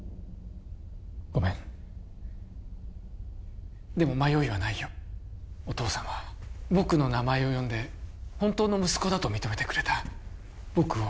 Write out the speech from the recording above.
ごめんでも迷いはないよお父さんは僕の名前を呼んで本当の息子だと認めてくれた僕を愛してくれた